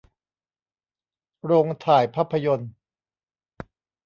โรงถ่ายภาพยนตร์